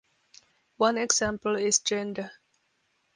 One example is gender.